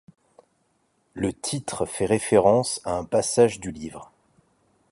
Le titre fait référence à un passage du livre.